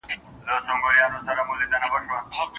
که خپل معلومات شریک نه کړې نو نور به څه زده کړي.